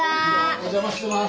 お邪魔してます。